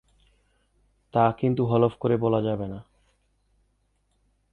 তা কিন্তু হলফ বলা যাবে না।